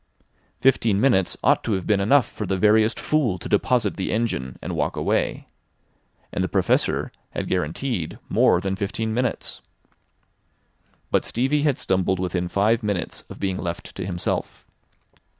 Fifteen minutes ought to have been enough for the veriest fool to deposit the engine and walk away. And the Professor had guaranteed more than fifteen minutes. But Stevie had stumbled within five minutes of being left to himself.